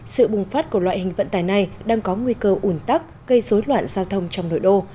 sự bùng phát của loại hình vận tài này đang có nguy cơ ủn tắc gây rối loạn giao thông trong nội đô